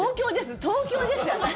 東京です、私。